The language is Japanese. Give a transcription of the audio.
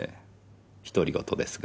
独り言ですが。